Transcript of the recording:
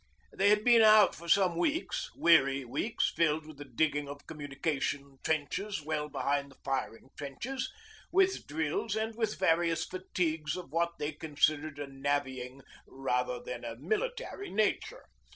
They had been out for some weeks, weary weeks, filled with the digging of communication trenches well behind the firing trenches, with drills and with various 'fatigues' of what they considered a navvying rather than a military nature.